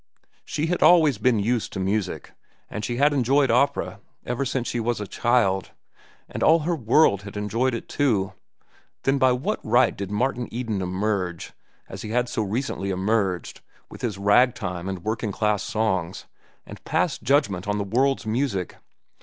She had always been used to music, and she had enjoyed opera ever since she was a child, and all her world had enjoyed it, too. Then by what right did Martin Eden emerge, as he had so recently emerged, from his rag time and working class songs, and pass judgment on the world's music?